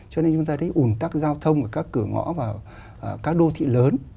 cho nên chúng ta thấy ủng tắc giao thông của các cửa ngõ và các đô thị lớn